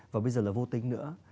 và bây giờ là vô tính nữa